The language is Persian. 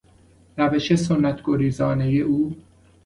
روش سنت گریزانهی او